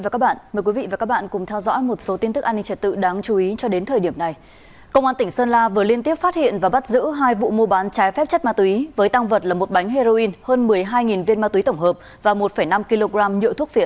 các bạn hãy đăng ký kênh để ủng hộ kênh của chúng mình nhé